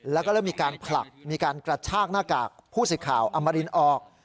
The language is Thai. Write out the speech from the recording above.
แล้วก็เริ่มมีการผลักมีการกระชากหน้ากากผู้สื่อข่าวอมรินออก